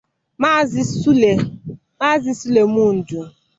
Maazị Sule Momodu